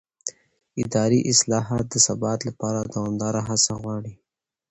اداري اصلاحات د ثبات لپاره دوامداره هڅه غواړي